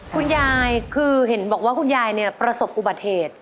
คุณยายคือเห็นบอกว่าคุณยายเนี่ยประสบอุบัติเหตุ